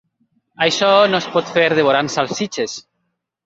Això no es pot fer devorant salsitxes.